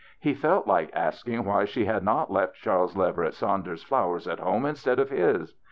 He felt like asking why she had not left Charles Leverett Saun ders's flowers at home instead of his.